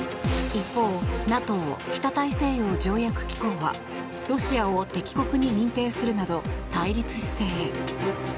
一方ＮＡＴＯ・北大西洋条約機構はロシアを敵国に認定するなど対立姿勢へ。